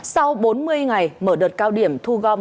sau bốn mươi ngày mở đợt cao điểm thu gom